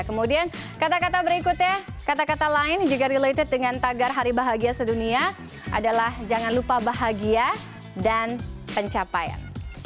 kemudian kata kata berikutnya kata kata lain juga related dengan tagar hari bahagia sedunia adalah jangan lupa bahagia dan pencapaian